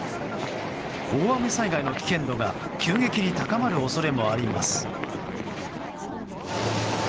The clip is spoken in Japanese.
大雨災害の危険度が急激に高まる恐れもあります。